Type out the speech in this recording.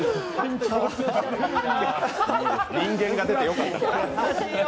人間が出てよかった。